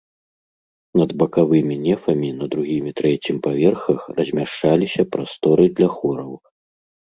Над бакавымі нефамі на другім і трэцім паверхах размяшчаліся прасторы для хораў.